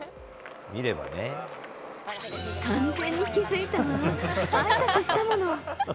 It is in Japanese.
完全に気付いたわ、あいさつしたもの。